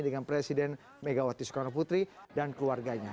dengan presiden megawati soekarno putri dan keluarganya